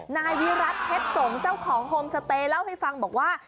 นายวิรัติเพชรสงศ์เจ้าของโฮมสเตย์เล่าให้ฟังบอกว่า